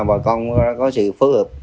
bà con đã có sự phối hợp